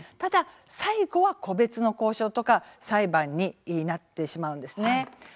最後は個別の交渉とか裁判になってしまうんですね。